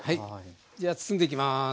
じゃあ包んでいきます。